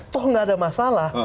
toh gak ada masalah